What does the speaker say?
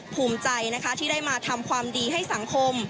ภูมิใจนะคะที่ได้มาทำความดีให้สังคม